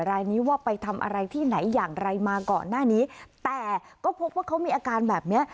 รายนี้ว่าไปทำอะไรที่ไหนอย่างไรมาก่อนหน้านี้แต่ก็พบว่าเขามีอาการแบบเนี้ย